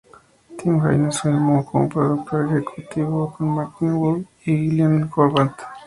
Tim Haines firmó como productor ejecutivo, con Martin Wood y Gillian Horvath.